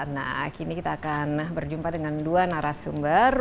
nah kini kita akan berjumpa dengan dua narasumber